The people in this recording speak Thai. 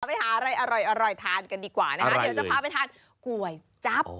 ไปหาอะไรอร่อยทานกันดีกว่านะคะเดี๋ยวจะพาไปทานก๋วยจั๊บ